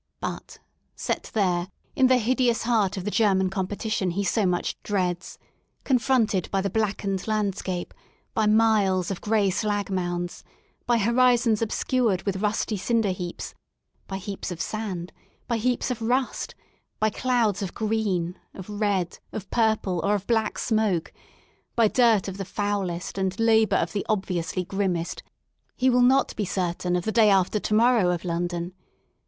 But, set there in the hideous heart of the German competition he so much dreads, confronted by the blackened landscape, by miles of gray slag mounds, by horizons obscured With rusty cinder heaps, by heaps of sand, by heaps of rustj by clouds of green, of red, of purple, or of black smoke, by dirt of the foulest and labour of the obviously grimmest, he will not be certain of the day after to morrow of London.